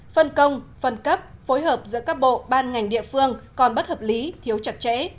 phân công phân cấp phối hợp giữa các bộ ban ngành địa phương còn bất hợp lý thiếu chặt chẽ